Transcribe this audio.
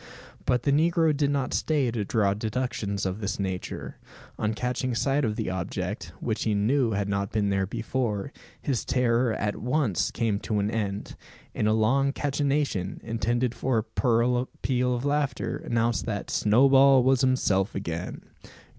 But the negro did not stay to draw deductions of this nature. On catching sight of the object, which he knew had not been there before, his terror at once came to an end; and a long cachinnation, intended for a peal of laughter, announced that "Snowball was himself again."